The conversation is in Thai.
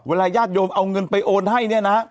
เวลาญาติโยคเอาเงินไปโอนให้